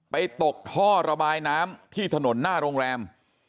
ตกท่อระบายน้ำที่ถนนหน้าโรงแรม